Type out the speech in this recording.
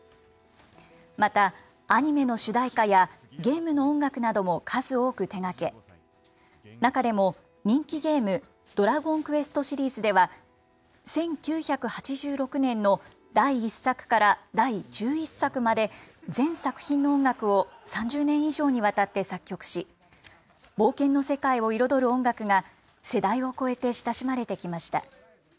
また、アニメの主題歌やゲームの音楽なども数多く手がけ、中でも、人気ゲーム、ドラゴンクエストシリーズでは、１９８６年の第１作から第１１作まで、全作品の音楽を３０年以上にわたって作曲し、冒険の世界を彩る音楽が、世代を超えて親しまれてきました。